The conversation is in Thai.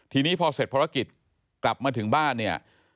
ทีนี้พอเสร็จภารกิจกลับมาถึงบ้านเนี่ย